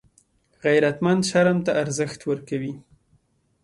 غیرتمند شرم ته ارزښت ورکوي